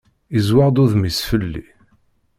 Izzweɣ-d udem-is fell-i.